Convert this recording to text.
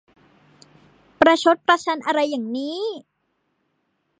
ประชดประชันอะไรอย่างนี้ !